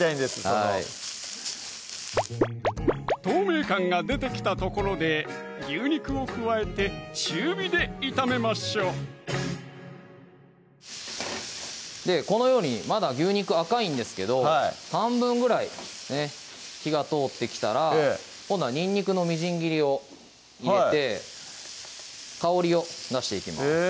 透明感が出てきたところで牛肉を加えて中火で炒めましょうこのようにまだ牛肉赤いんですけど半分ぐらいね火が通ってきたら今度はにんにくのみじん切りを入れて香りを出していきます